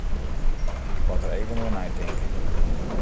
Ik moat der even oer neitinke.